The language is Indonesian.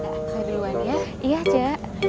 oh udah berapa